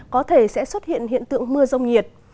có thể sẽ xuất hiện hiện tượng mưa rông nhiệt